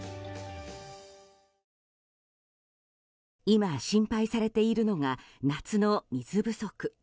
今、心配されているのが夏の水不足。